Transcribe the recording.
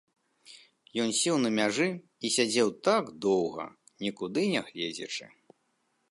Ён сеў на мяжы і сядзеў так доўга, нікуды не гледзячы.